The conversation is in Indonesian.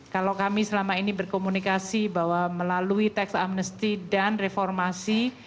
kalau kami selama ini berkomunikasi bahwa melalui tax amnesty dan reformasi